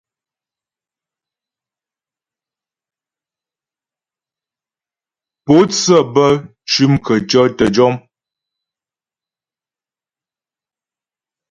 Pǒtsə bə́ cʉm khətʉɔ̌ tə́ jɔm.